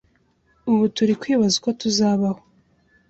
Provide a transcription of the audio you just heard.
ubu turi kwibaza uko tuzabaho